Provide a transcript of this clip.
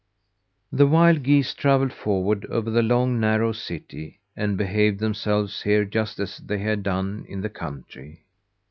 The wild geese travelled forward over the long, narrow city, and behaved themselves here just as they had done in the country.